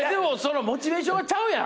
モチベーションがちゃうやん。